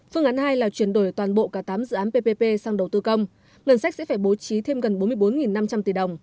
phương án hai là chuyển đổi toàn bộ cả tám dự án ppp sang đầu tư công ngân sách sẽ phải bố trí thêm gần bốn mươi bốn năm trăm linh tỷ đồng